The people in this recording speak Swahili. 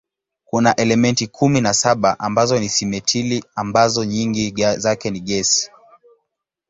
Kuna elementi kumi na saba ambazo ni simetili ambazo nyingi zake ni gesi.